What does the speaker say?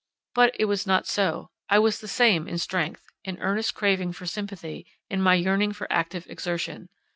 But it was not so; I was the same in strength, in earnest craving for sympathy, in my yearning for active exertion.